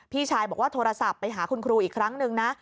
พี่ชายบอกว่าโทรศัพท์ไปหาคุณครูอีกครั้งนึงนะ